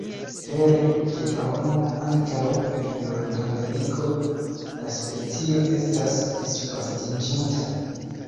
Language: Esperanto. Pere de la homo, ankaŭ en Nordameriko la specio estas disvastiĝinta.